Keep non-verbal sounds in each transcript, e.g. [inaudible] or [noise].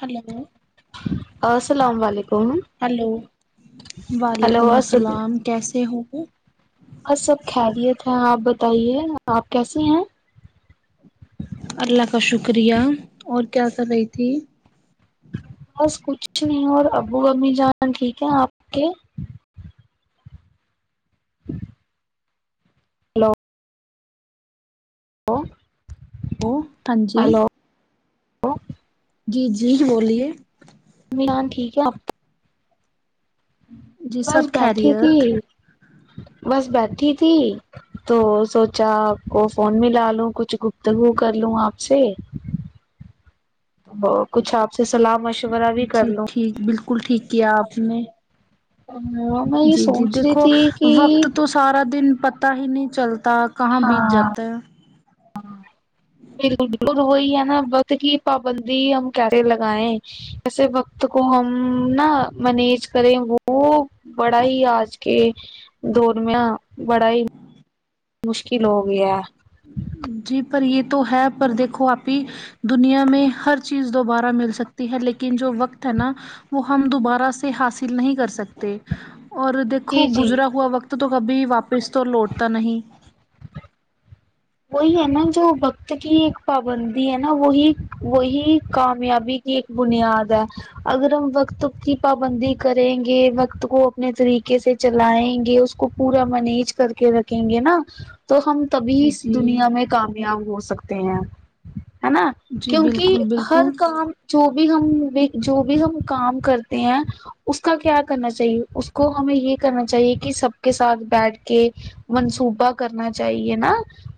hello السلام علیکم hello hello وعلیکم اصل السلام کیسے ہو وہ سب خیریت ہے آپ بتائیے آپ کیسیے ہیں اللہ کا شکریہ اور کیا کر رہی تھی بس کچھ نہیں اور ابو ابمی جانا ٹھیک ہے آپ کے فرتہوں ہلو ا وہ ہاں جی جی جی بولیے نہیںی ہاں ٹھیک ہے آپ جی بس سب بیٹھی تھی خیریت بس بیٹھی تھی تو سوچا آپ کو فون ملا لوں کچھ گفتگو کر لوں آپ سے ج وہ کچھ آپ سے صلاح مشورہ بھی کر جی لوں ٹھیک بالکل ٹھیک کیا آپ نے میں یہ جی جی سوچ رہی دیکھو تھی کہ وقت تو سارا دن پتا ہی نہیں چلتا کہاں بیت ہاں جاتا ہے لڈ وہی ہے نا بت کی پابندی ہم کیسے لگائے ایسے وقت کو ہم نا مینج کریں وہ بڑا ہی آج کے دور میں بڑا ہی مشکل ہو گیا جی پر یہ تو ہے پر دیکھو آپ ہی دنیا میں ہر چیز دوبارہ مل سکتی ہے لیکن جو وقت ہے نا وہ ہم دوبارہ سے حاصل نہیں کر سکتے اور جی دیکھو جی گزرا ہوا وقت تو کبھی واپس تو لوٹتا نہیں وہی ہے نا جو وقت کی ایک پابندی ہے نا وہی وہی کامیابی کی ایک بنیاد ہے اگر ہم وقت کی پابندی کریں گے وقت کو اپنے طریقے سے چلائیں گے اس کو پورا مینج کر کے رکھیں گے نا تو ہم تبھی جی اس جی دنیا میں کامیاب ہو سکتے ہیں ہے نا جی کیونکہ بالکل ہر بالکل کام جو بھی ہم جو بھی ہم کام کرتے ہیں اس کا کیا کرنا چاہیے اس کو ہمیں یہ کرنا چاہیے کہ سب کے ساتھ بیٹھ کے منصوبہ کرنا چاہیے نا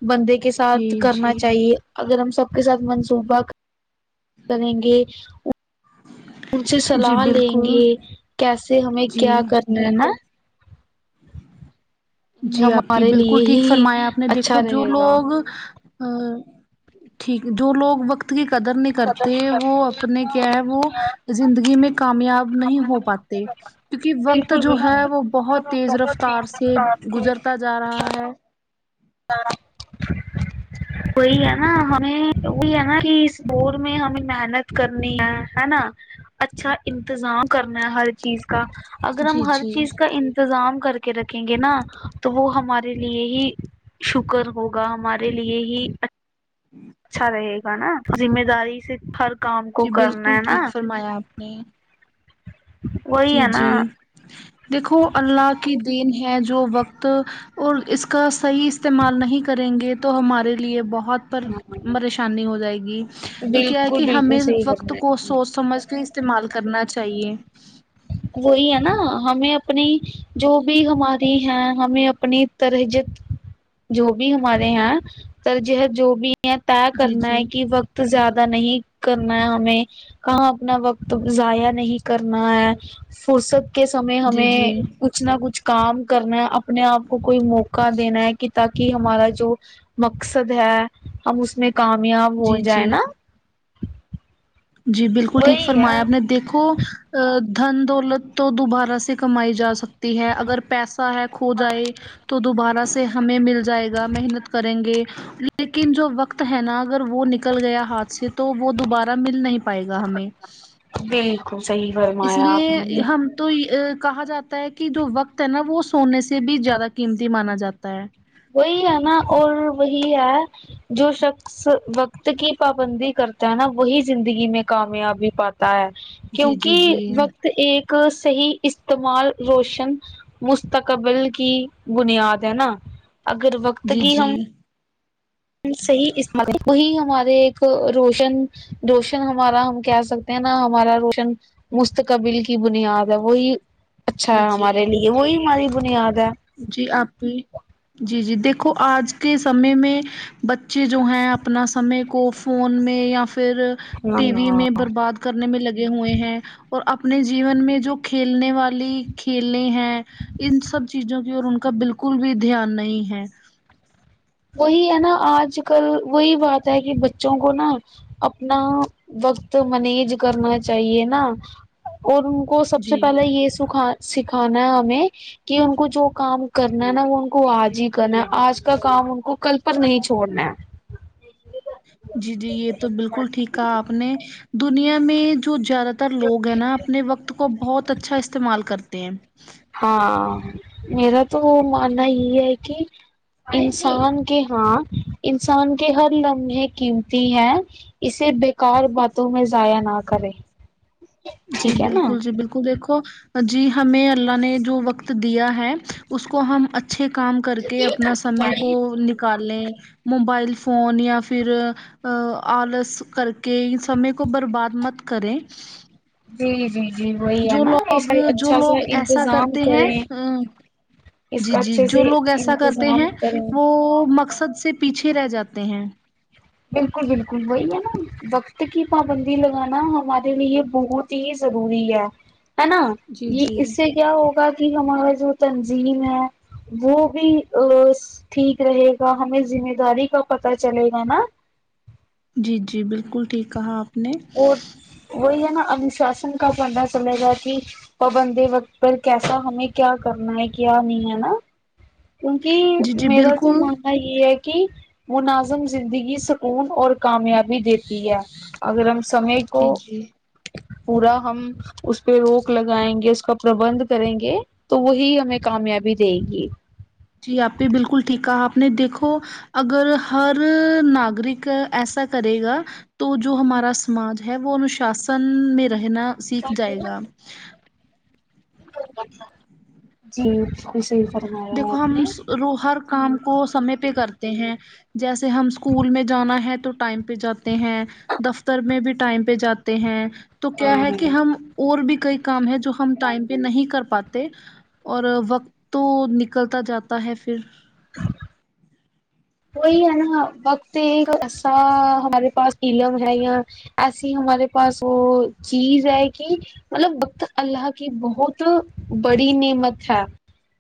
بندے کے جی ساتھ کرنا جی چاہیے اگر ہم سب کے ساتھ منصوبہ کرے گے ان سے جی صلاح لیں بالکل گے کیسے ہمیں جی کیا کرنا ہے نا جی آپی ہمارے بالکل لیے ٹھیک ہی فرمایا آپ نے دیکھو اچھا جو رہے گا لوگ ا ٹھیک جو لوگ وقت کی قدر نہیں کرتے قدم وہ کرتی اپنے کیا ہے وہ زندگی میں کامیاب نہیں ہو پاتے وہ کیونکہ وقت بالکل جو ہے بالکل وہ بہت تیز بہت ہی رفتار سے سستار تھی گزرتا جا رہا ہے وہی ہے نا ہمیں وہی ہے نا کہ اس بور میں ہمیں محنت کرنی ہے ہے نا اچھا انتظام کرنا ہے ہر چیز کا اگر ہم جی ہر جی چیز کا انتظام کر کے رکھیں گے نا تو وہ ہمارے لیے ہی شکر ہوگا ہمارے لیے ہی اچھا رہے گا نا ذمہ داری سے ہر کام کو جی کرنا بالکل ہے نا ٹھیک فرمایا آپ نے وہی جی ہے نا جی دیکھو اللہ کی دین ہے جو وقت اور اس کا صحیح استعمال نہیں کریں گے تو ہمارے لیے بہت بہ پر ہاں پریشانی ہو جائے گی تو کیا ہے بالکل کہ بالکل ہمیں صحیح وقت کرنا ہے آپ کو نے سوچ سمجھ کے استعمال کرنا چاہیے وہی ہے نا ہمیں اپنی جو بھی ہماری ہے ہمیں اپنی ترجت جو بھی ہمارے یہاں ترجحت جو بھی یہ طے جی کرنا ہے جی کہ وقت تو زیادہ نہیں کرنا ہے ہمیں کہاں اپنا وقت ضائع نہیں کرنا ہے فرصت کے سمے جی ہمیں جی کچھ نہ کچھ کام کرنا ہے اپنے آپ کو کوئی موقع دینا ہے کہ تاکہ ہمارا جو مقصد ہے ہم اس میں کامیاب ہو جی جائے جی نا جی بالکل ٹھیک وہی ہے فرمایا آپ نے دیکھو ا دھن دولت تو دوبارہ سے کمائی جا سکتی ہے اگر پیسہ ہے کھو جائے تو دوبارہ سے ہمیں مل جائے گا محنت کریں گے لیکن جو وقت ہے نا اگر وہ نکل گیا ہاتھ سے تو وہ دوبارہ مل نہیں پائے گا ہمیں بالکل صحیح اس فرمایا آپ لیے نے ہم تو یے کہا جاتا ہے کی جو وقت ہے نا وہ سونے سے بھی زیادہ قیمتی مانا جاتا ہے وہی ہے نا اور وہی ہے جو شخص وقت کی پابندی کرتا ہے نا وہی زندگی میں کامیابی پاتا ہے جی جی کیونکی جی وقت ایک صحی استعمال روشن مستقبل کی بنیاد ہے نا اگر وق جی جی صحی اس وہی ہمارے ایک روشن روشن ہمارا ہم کیا سکتے نا ہمارا روشن مستقبل کی بنیاد ہے وہی اچھا جی ہمارے جی لیے وہی ہماری بنیاد ہے جی آپ جی جی دیکھو آج کے سمے میں بچے جو ہیں اپنا سمے کو فون میں یا فیر ٹی وی ہے میں برباد کرنے میں لگے ہوئے ہیں اور اپنے جیون میں جو کھیلنے والی کھیلیں ہیں ان سب چیزوں کی اور ان کا بالکل بھی دھیان نہیں ہے وہی ہے نا آج کل وہی بات ہے کی بچوں کو نا اپنا وقت مینیج کرنا چاہیے نا اور ان کو سب سے جی پہلے یے سوکھا سکھانا ہے ہمیے کی ان کو جو کام کرنا ہے نا وہ ان کو آج ہی کرنا ہے آج کا کام ان کو کل پر نہیں چھڑنا ہے جی جی یے تو بالکل ٹھیک ہے آپ نے دنیا میں جو زیادہ تر لوگ ہیں نا اپنے وقت کو بہت اچھا استعمال کرتے ہیں ہاں میرا تو ماننا یے ہے کی انسان کے ہاں انسان کے ہر لمحے قیمتی ہے اسے بیکار باتوں میں ضائع نہ کرے جی ٹھیک ہے نا بالکل جی بالکل دیکھو جی ہمیں اللہ نے جو وقت دیا ہے اس کو ہم اچ چھے کام کر کے اپنا سمے کو نکال لیں موبائل فون یا فیر آ آلس کر کے ان سمے کو برباد مت کریں جی جی وہی ہے جو نا لوگ اس کا جو اچھا لوگ سا ایسا انتظام کرتے ہیں کریں اس جی کا جی اچھے جو سے لوگ ایسا کرتے انتظام ہیں کریں وہ مقصد سے پیچھے رہ جاتے ہیں بالکل بالکل وہی ہے نا وقت کی پابندی لگانا ہمارے لیے بہت ہی ضروری ہے ہے نا جی یے جی اس سے کیا ہوگا کی ہمارا جو تنظیم ہے وہ بھی ٹھیک رہے گا ہمیں ذمہ داری کا پتا چلے گا نا جی جی بالکل ٹھیک کہا نے اور وہی ہے نا انوشاسن کا پندہ چلے گا کی پابندے وقت پر کیسا ہمیں کیا کرنا ہے کیا نہیں ہے نا کیونکی جی جی میرا تو بالکل منا یے ہے کی مناظم زندگی سکون اور کامیابی بھی دیتی ہے اگر ہم سمے کو جی جی پورا ہم اس پے روک لگائیں گے اس کا پربندھ کریں گے تو وہی ہمیں کامیابی دے گی جی آپ نے بالکل ٹھیک کہا آپ نے دیکھو اگر ہر ناگرک ایسا کرے گا تو جو ہمارا سماج ہے وہ انوشاسن میں رہنا سیکھ جائے گا جی صحیح فرمایا دیکھو آپ نے ہم رو ہر کام کو سمے پہ کرتے ہیں جیسے ہم اسکول میں جانا ہے تو ٹائم پہ جاتے ہیں دفتر میں بھی ٹائم پہ جاتے ہیں تو کیا ہے کہ نے ہم اور بھی کئی کام ہے جو ہم ٹائم پہ نہیں کر پاتے اور وقت تو نکلتا جاتا ہے پھر وہی ہے نا وقت ایسا ہمارے پاس پیلیم ہے یا ایسی ہمارے پاس وہ چیز ہے کہ مطلب وکت اللہ کی بہت بڑی نعمت ہے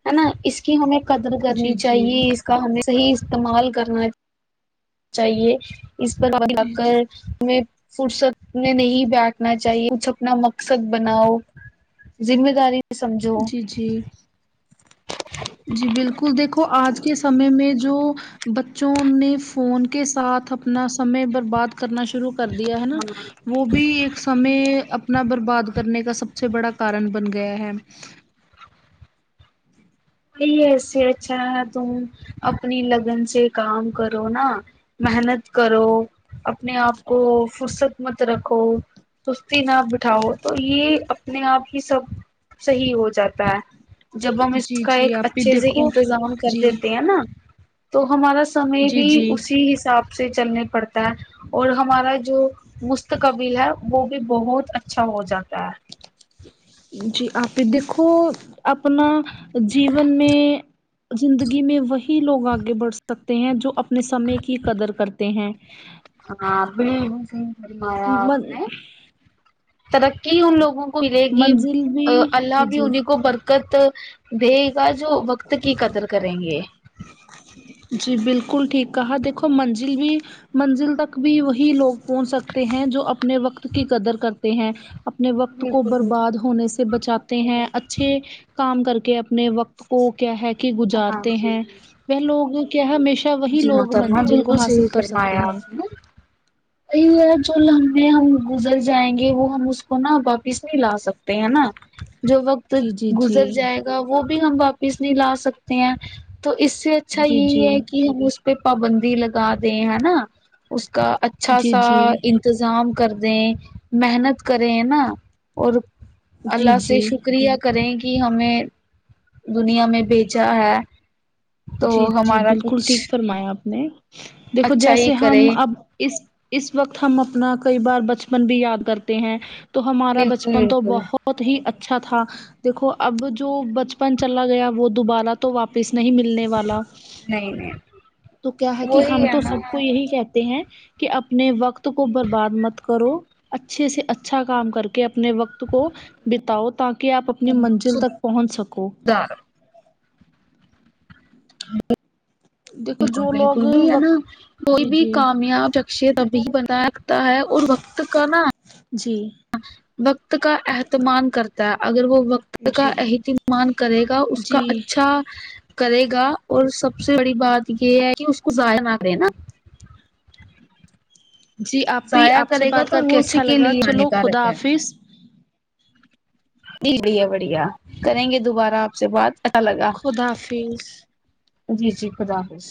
ہے نا اس کہ ہمیں قدر جی کرنی جی چاہیے اس کا ہمیں صحیح استعمال کرنا چاہیے اس پر جا جی جی کر ہمیں فرصت میں نہیں بیٹنا چاہیے کچھ اپنا مقصد بناؤ ذمہ داری سمجھو جی جی جی بالکل دیکھو آج کے سمے میں جو بچوں نے فون کے ساتھ اپنا سمے بر بات کرنا شروع کر کر دہا ہے نا ہاں وہ بھی ایک سمے اپنا برباد کرنے کا سب سے بڑا کارن بن گیا ہے ی ایسے اچھا ہے تم اپنی لگن سے کام کرو نا محنت کرو اپنے آپ کو فرصت مت رکھو سستی نہ بٹھاؤ تو یہ اپنے آپ ہی سب صحیح ہو جاتا ہے جب ہم اس جی کا جی ایک آپ بھی اچھے سے دیکھو انتظام کر جی دیتے ہیں نا تو ہمارا سمے جی بھی جی اسی حساب سے چلنا پڑتا ہے اور ہمارا جو مستقبل ہے وہ بھی بہت اچھا ہو جاتا ہے جی آپ دیکھو اپنا جیون میں زندگی میں وہی لوگ آگے بڑھ سکتے ہیں جو اپنے سمے کی قدر کرتے ہیں ہاں بالکل صحیح فرمایا آپ من نے ترقی ان لوگوں کو ملے گی منزل بھی اللہ جی بھی جی انہیں کو بر قت دے گا جو وقت کی قدر کریں گے جی بالکل ٹھیک کہا دیکھو منزل بھی منزل تک بھی وہی لوگ پہنچ سکتے ہیں جو اپنے وقت کی قدر کرتے ہیں اپنے وقت کو بالکل بالکل برباد ہونے سے بچاتے ہیں اچھے کام کر کے اپنے وقت وہ کیا ہے کہ ہاں گزارتے جی ہیں وہ لوگ کیا ہے ہمیشہ وہی جی لوگ محترمہ منزل کو بالکل صحیح حاصل کر سکتے فرمایا ہیں آپ نے یہی ہے جو لمے ہم گزر جائیں گے وہ ہم اس کو نا واپس نہیں لا سکتے ہے نا جو وقت جی جی جی گزر جائے گا وہ بھی ہم واپس نہیں لا سکتے ہیں تو اس سے اچھا جی یہی جی ہے ہم اس پہ پابندی لگا دیں ہے نا اس کا اچھا جی سا جی انتظام کر تیں محنت کریں نا اور جی اللہ سے جی شکریہ کریں کہ ہمیں دنیا میں بھیجا ہے تو جی جی ہمارا بالکل کچھ ٹھیک فرمایا آپ نے دیکھو اچھا ہی جیسے کرے ہم اب اس اس وقت ہم اپنا کئی بار بچپن بھی یاد کرتے ہیں تو ہمارا بالکل بچپن تو بالکل بہت بہت ہی اچھا تھا دیکھو اب جو بچپن چلا گیا وہ دوبارہ تو واپس نہیں ملنے والا نہیں نہیں تو کیا ہے کہ وہی ہم ہے تو سب کو یہی کہتے ہیں کہ اپنے وقت کو برباد مت کرو اچھے سے اچھا کام کر کے اپنے وقت کو بتاؤ تاکہ کہ آپ اپنی منزل نا تک پہنچ سکو دار ہم دیکھو بالکل جو بالکل لوگ بھی ہے نا وقت کوئی جی بھی جی کامیاب [unintelligible] بھی بنا رکھتا ہے اور وقت کا نا جی وقت کا اہتمام کرتا ہے اگر وہ وقت اس کا جی اہتمام کرے گا اس کا جی اچھا کرے گا اور سب سے بڑی بات یہ ہے کہ اس کو ضائع نہ کرے نا جی آپ بھی ضائع آپ سے کرے گا بات کر تو کے وہ اسی اچھا لگا لیے چلو خدا ہانیکارک ہے حافظ جی بڑھیا بڑھیا کریں گے دوبارہ آپ سے بات اچھا لگا خدا حافظ جی جی خدافظ